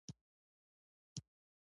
ما هغه ته وویل چې تا بم پروګرام کړی و